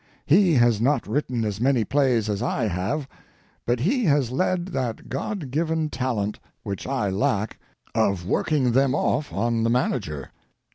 He has not written as many plays as I have, but he has lead that God given talent, which I lack, of working them off on the manager.